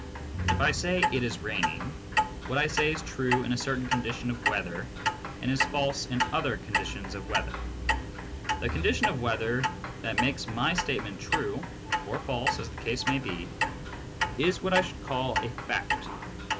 If I say "It is raining," what I say is true THE PHILOSOPHY OF LOGICAL ATOMISM. 50I in a certain condition of weather and is false in other con ditions of weather. The condition of weather that makes my statement true (or false as the case may be), is what I should call a "fact."